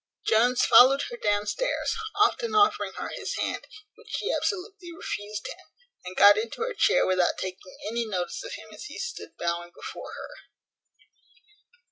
Jones followed her downstairs, often offering her his hand, which she absolutely refused him, and got into her chair without taking any notice of him as he stood bowing before her.